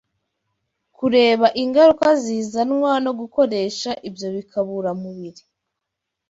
kureba ingaruka zizanwa no gukoresha ibyo bikaburamubiri